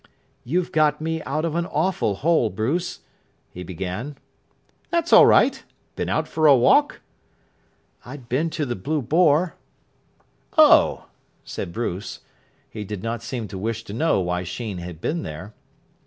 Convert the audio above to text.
"You've got me out of an awful hole, Bruce," he began. "That's all right. Been out for a walk?" "I'd been to the 'Blue Boar'." "Oh!" said Bruce. He did not seem to wish to know why Sheen had been there.